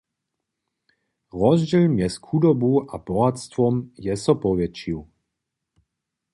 Rozdźěl mjez chudobu a bohatstwom je so powjetšił.